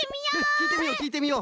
きいてみようきいてみよう！